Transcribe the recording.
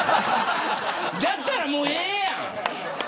やったらもうええやん。